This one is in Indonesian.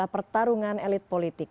pertarungan elit politik